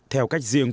theo cách riêng